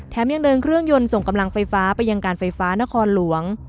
ยังเดินเครื่องยนต์ส่งกำลังไฟฟ้าไปยังการไฟฟ้านครหลวง